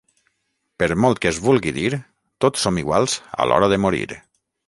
Per molt que es vulgui dir, tots som iguals a l'hora de morir.